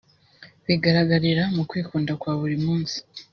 Bigaragarira mu kwikunda kwa buri munsi